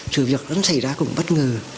sự việc nó xảy ra cũng bất ngờ